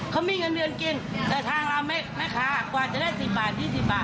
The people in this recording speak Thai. ก่อนจะได้๑๐บาท๒๐บาท